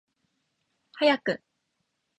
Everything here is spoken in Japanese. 早く